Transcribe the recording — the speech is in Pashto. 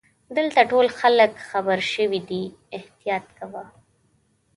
دلته ټول خلګ خبرشوي دي احتیاط کوه.